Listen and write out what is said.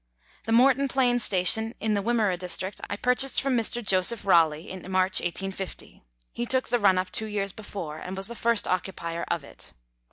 The Morton Plains Station in the Wimmera District I pur chased from Mr. Joseph Raleigh in March 1850; he took the run up two years before, and was the first occupier of it.